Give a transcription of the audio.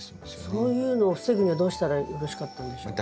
そういうのを防ぐにはどうしたらよろしかったんでしょう？